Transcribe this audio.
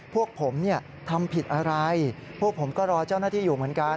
พวกผมทำผิดอะไรพวกผมก็รอเจ้าหน้าที่อยู่เหมือนกัน